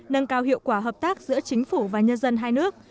nâng cao hiệu quả hợp tác giữa chính phủ và nhân dân hai nước